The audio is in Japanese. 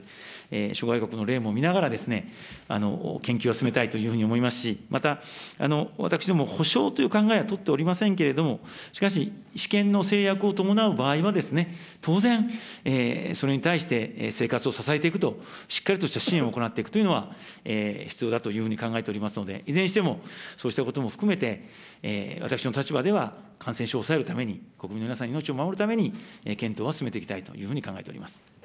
諸外国の例も見ながら、研究を進めたいというふうに思いますし、また私ども、補償という考えは取っておりませんけれども、しかし、私権の制約を伴う場合はですね、当然、それに対して生活を支えていくと、しっかりとした支援を行っていくというのは必要だというふうに考えておりますので、いずれにしてもそうしたことも含めて、私どもの立場では、感染症を抑えるために、国民の皆さんの命を守るために、検討は進めていきたいというふうに考えております。